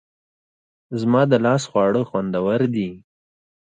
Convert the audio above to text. زما د لاس خواړه خوندور دي